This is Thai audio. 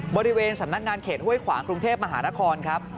บริเวณสำนักงานเขตห้วยขวางกรุงเทพมหานครครับ